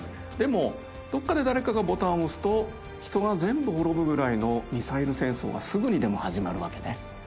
でもどこかで誰かがボタンを押すと人が全部滅ぶぐらいのミサイル戦争がすぐにでも始まるわけね。